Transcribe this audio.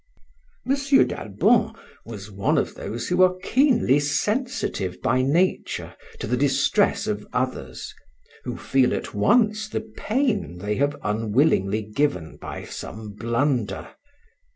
M. d'Albon was one of those who are keenly sensitive by nature to the distress of others, who feel at once the pain they have unwillingly given by some blunder.